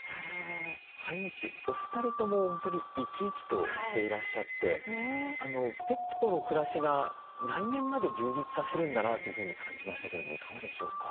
飼い主お二人とも本当に生き生きとしていらっしゃってペットとの暮らしが内面まで充実させるんだなというふうに感じましたけれどもいかがでしょうか？